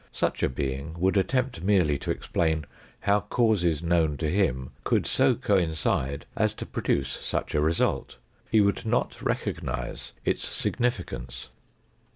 Such a being would attempt merely to explain how causes known to him could so coincide as to produce such a result ; he would not recognise its significance.